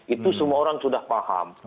itu semua orang sudah paham